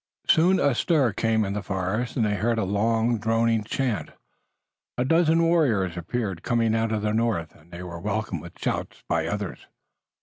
Soon a stir came in the forest, and they heard a long, droning chant. A dozen warriors appeared coming out of the north, and they were welcomed with shouts by the others.